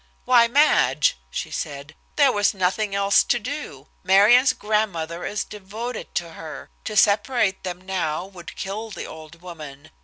"Why, Madge!" she said. "There was nothing else to do. Marion's grandmother is devoted to her. To separate them now would kill the old woman.